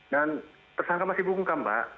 dan tersangka masih bungkam pak